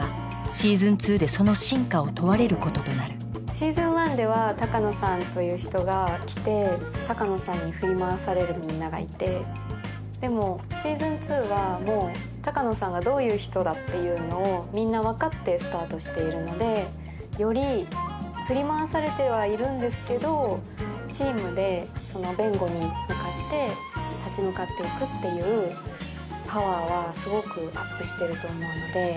「Ｓｅａｓｏｎ１」では鷹野さんという人が来て鷹野さんに振り回されるみんながいてでも「Ｓｅａｓｏｎ２」はもう鷹野さんがどういう人だっていうのをみんな分かってスタートしているのでより振り回されてはいるんですけどチームでその弁護に向かって立ち向かっていくっていうパワーはすごくアップしてると思うので。